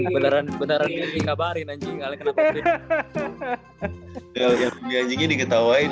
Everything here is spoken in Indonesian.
beneran beneran beneran dikabarin